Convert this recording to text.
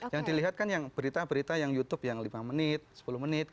yang dilihat kan yang berita berita yang youtube yang lima menit sepuluh menit